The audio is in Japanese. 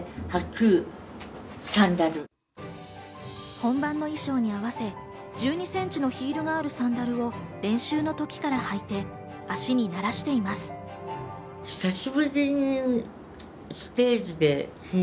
本番の衣装に合わせ、１２センチのヒールがあるサンダルを練習の時からはいて、足にならしています。